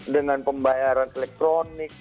dengan pembayaran elektronik